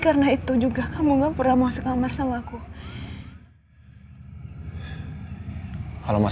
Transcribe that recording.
kamu pikir aku mungkin mau cepat cepat nikah sama kamu ya mas